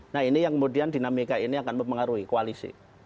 nah ini yang kemudian dinamika ini akan mempengaruhi koalisi